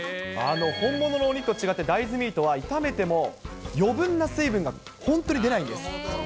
本物のお肉と違って、大豆ミートは炒めても、余分な水分が本当に出ないんです。